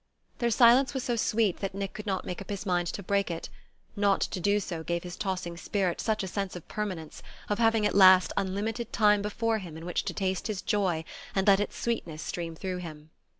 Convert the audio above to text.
Their silence was so sweet that Nick could not make up his mind to break it; not to do so gave his tossing spirit such a sense of permanence, of having at last unlimited time before him in which to taste his joy and let its sweetness stream through him.